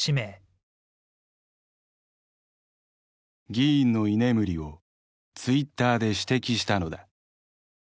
議員の居眠りをツイッターで指摘したのだ。